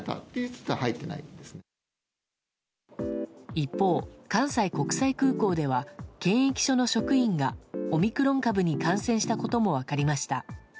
一方、関西国際空港では検疫所の職員がオミクロン株に感染したことも分かりました。